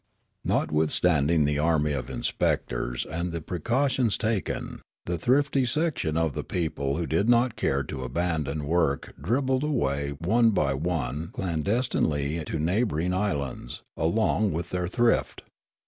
Notwithstanding the army of inspectors and the pre cautions taken, the thrift}' section of the people who did not care to abandon work dribbled away one by one clandestinely to neighbouring islands, along with their thrift.